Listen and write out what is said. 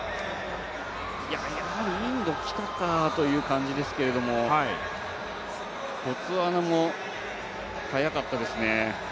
やはりインドきたかという感じですけども、ボツワナも速かったですね。